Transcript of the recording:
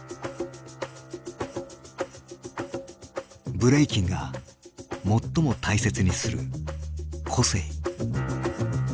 ブレイキンが最も大切にする「個性」。